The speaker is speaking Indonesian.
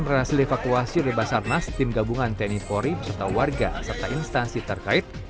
berhasil evakuasi oleh basarnas tim gabungan teknik ori serta warga serta instansi terkait